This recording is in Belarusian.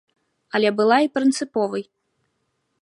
Але была і прынцыповай.